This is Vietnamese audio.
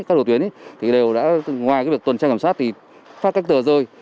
các đầu tuyến thì đều đã ngoài cái việc tuần tra cẩm sát thì phát các tờ rơi